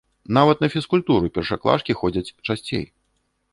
Нават на фізкультуру першаклашкі ходзяць часцей.